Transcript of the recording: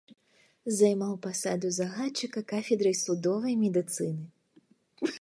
Займаў пасаду загадчыка кафедрай судовай медыцыны.